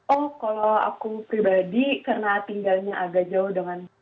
oh kalau aku pribadi karena tinggalnya agak jauh dengan